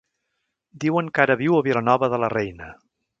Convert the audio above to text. Diuen que ara viu a Vilanova de la Reina.